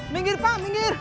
minggir pak minggir